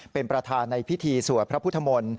เป็นประธานในพิธีสวดพระพุทธมนตร์